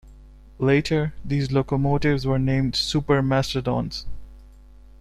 Later, these locomotives were named "Super Mastodon's.